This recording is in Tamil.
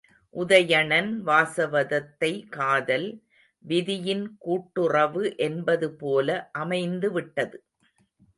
உதயணன் வாசவதத்தை காதல், விதியின் கூட்டுறவு என்பதுபோல அமைந்துவிட்டது.